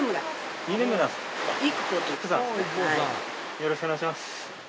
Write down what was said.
よろしくお願いします。